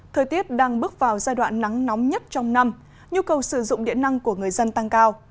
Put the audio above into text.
thời tiết đang bước vào giai đoạn nắng nóng nhất trong năm nhu cầu sử dụng điện năng của người dân tăng cao